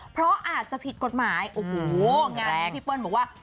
เพราะอาจจะผิดกฎหมายโอ้โหงานนี้พี่เปิ้ลบอกว่า